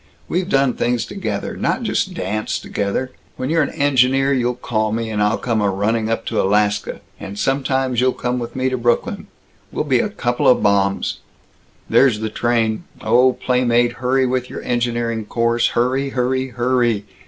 We've done things together, not just danced together! When you're an engineer, you'll call me, and I'll come a running up to Alaska. And sometimes you'll come with me to Brooklyn we'll be a couple of bombs There's the train. Oh, playmate, hurry with your engineering course! Hurry, hurry, hurry!